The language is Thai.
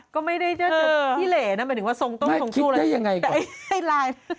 ก็ไม่ได้พีเหลน่ะหมายถึงว่าทรงต้มทรงชู่อะไรอย่างนั้นแต่ไอ้ลายน์